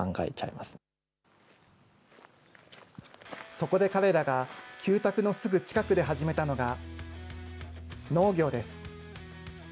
そこで彼らが旧宅のすぐ近くで始めたのが、農業です。